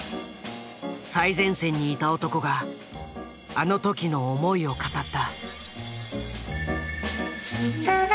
最前線にいた男があの時の思いを語った。